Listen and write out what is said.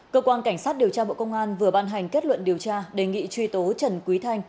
cơ quan cảnh sát điều tra bộ công an vừa ban hành kết luận điều tra đề nghị truy tố trần quý thanh